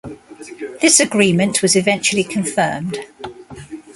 This agreement was eventually confirmed.